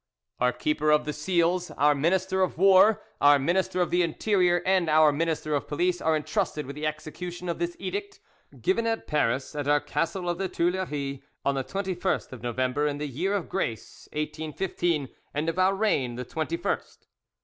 "Our Keeper of the Seals, Our Minister of War, Our Minister of the Interior, and Our Minister of Police, are entrusted with the execution of this edict. "Given at Paris at Our Castle of the Tuileries on the 21st of November in the year of grace 1815, and of Our reign the 21st.